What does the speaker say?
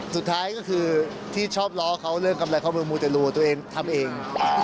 สุดท้ายก็คือที่ชอบล้อเขาเรื่องกำไรข้อมือมูเตรูตัวเองทำเอง